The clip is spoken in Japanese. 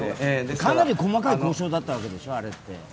かなり細かい交渉だったわけでしょう？